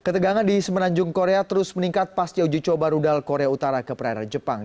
ketegangan di semenanjung korea terus meningkat pasca uji coba rudal korea utara ke perairan jepang